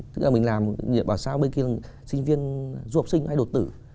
tức là mình làm bảo sao bên kia sinh viên du học sinh hay đột tử